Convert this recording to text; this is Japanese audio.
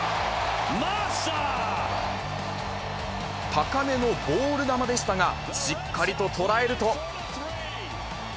高めのボール球でしたが、しっかりと捉えると。